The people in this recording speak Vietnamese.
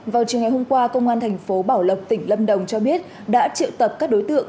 vào chiều ngày hôm qua công an thành phố bảo lộc tỉnh lâm đồng cho biết đã triệu tập các đối tượng